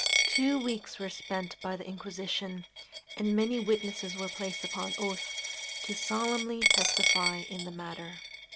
Two weeks were spent by the Inquisition, and many witnesses were placed upon oath, to solemnly testify in the matter.